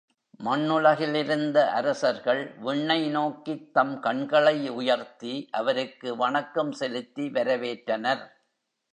மண்ணுலகிலிருந்த அரசர்கள் விண்ணை நோக்கித் தம் கண்களை உயர்த்தி அவருக்கு வணக்கம் செலுத்தி வரவேற்றனர்.